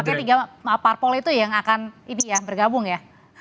apakah tiga parpol itu yang akan bergabung ya